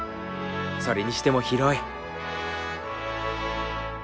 それにしても広い。